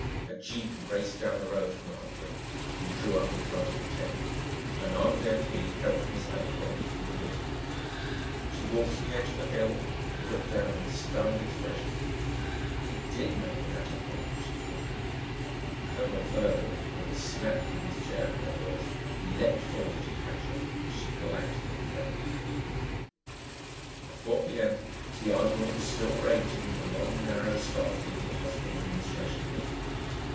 A jeep raced down the road from the hospital and drew up in front of the tent. An armed MP helped Miss Abercrombie from the vehicle. She walked to the edge of the hill and looked down with a stunned expression. "He did make an atom bomb," she cried. Colonel Thurgood, who had snapped from his chair at her words, leaped forward to catch her as she collapsed in a faint. At 4:00 p.m., the argument was still raging in the long, narrow staff room of the hospital administration building.